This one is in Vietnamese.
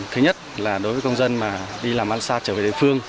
thứ nhất là đối với công dân mà đi làm ăn xa trở về địa phương